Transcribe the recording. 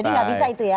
jadi gak bisa itu ya